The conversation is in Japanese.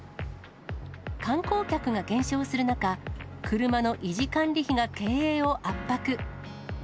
観光客が減少する中、車の維持管理費が経営を圧迫。